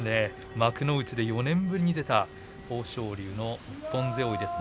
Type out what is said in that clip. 幕内で４年ぶりに出た豊昇龍の一本背負いです。